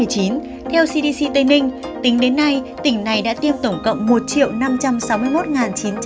theo cdc tây ninh tính đến nay tỉnh này đã tiêm tổng cộng một năm trăm sáu mươi một chín trăm tám mươi